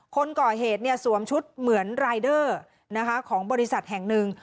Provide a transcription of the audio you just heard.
คนก่อเหตุสวมชุดเหมือนรายเดอร์ของบริษัทแห่งหนึ่ง